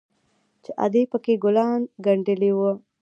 چې ادې پکښې ګلان گنډلي وو.